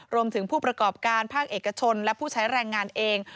ผู้ประกอบการภาคเอกชนและผู้ใช้แรงงานเอง